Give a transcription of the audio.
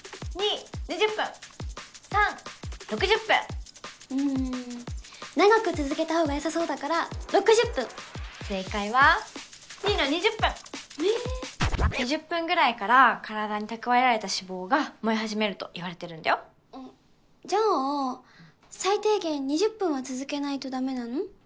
１５分２２０分３６０分うん長く続けた方がよさそうだから６０分正解は２の２０分ええ２０分ぐらいから体に蓄えられた脂肪が燃え始めるといわれてるんだよじゃあ最低限２０分は続けないとダメなの？